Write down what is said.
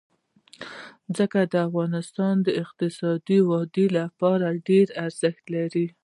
ځمکه د افغانستان د اقتصادي ودې لپاره ډېر ارزښت لري.